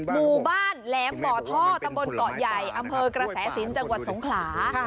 หมู่บ้านแหลมบ่อท่อตำบลเกาะใหญ่อำเภอกระแสสินจังหวัดสงขลา